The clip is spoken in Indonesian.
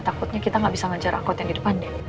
takutnya kita gak bisa ngajar angkot yang di depan deh